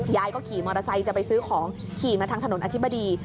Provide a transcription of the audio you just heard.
ยายก็ขี่มอเตอร์ไซค์จะไปซื้อของขี่มาทางถนนอธิบดี